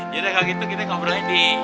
ya udah kalau gitu kita ngobrol aja deh